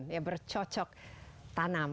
ya bercocok tanam